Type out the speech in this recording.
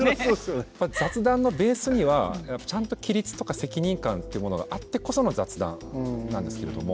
雑談のベースにはちゃんと規律とか責任感というものがあってこその雑談なんですけれども。